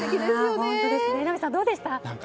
榎並さん、どうでしたか？